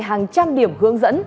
hàng trăm điểm hướng dẫn